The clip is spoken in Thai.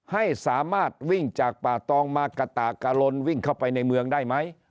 ให้สามารถวิ่งจากป่าตองมากะตากะลนวิ่งเข้าไปในเมืองได้ไหม